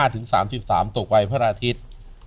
ตกวัยพระอาทิตย์